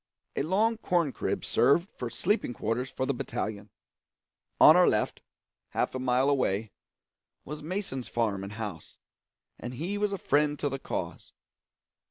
A long corn crib served for sleeping quarters for the battalion. On our left, half a mile away, was Mason's farm and house; and he was a friend to the cause.